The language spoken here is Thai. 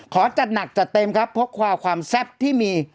จัดหนักจัดเต็มครับพกความความแซ่บที่มี